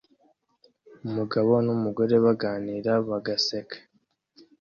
Umugabo numugore baganira bagaseka